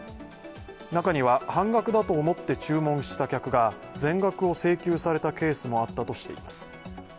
中には半額だと思って注文した客が全額を請求されたケースもあったとしています。